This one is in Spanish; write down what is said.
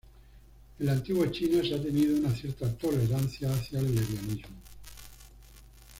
En la antigua China, se ha tenido una cierta tolerancia hacia el lesbianismo.